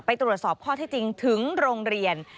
ไปตรวจสอบข้อที่จริงถึงโรงเรียน